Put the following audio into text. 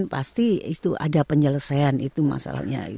pasti itu ada penyelesaian itu masalahnya